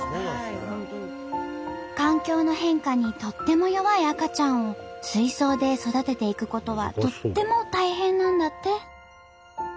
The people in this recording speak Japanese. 環境の変化にとっても弱い赤ちゃんを水槽で育てていくことはとっても大変なんだって。